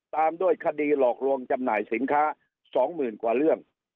ตามด้วยคดีหลอกลวงจำหน่ายสินค้า๒๐๐๐กว่าเรื่อง